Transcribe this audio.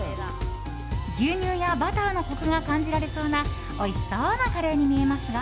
牛乳やバターのコクが感じられそうなおいしそうなカレーに見えますが。